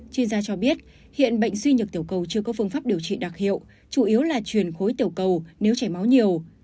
chuyên gia cho biết hiện bệnh suy nhược tiểu cầu chưa có phương pháp điều trị đặc hiệu chủ yếu là truyền khối tiểu cầu nếu chảy máu nhiều